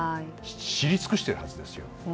知り尽くしているはずですよ。